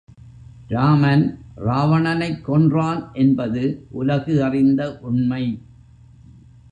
ராமன் ராவணனைக் கொன்றான் என்பது உலகு அறிந்த உண்மை.